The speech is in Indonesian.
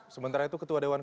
sementara itu ketua dewan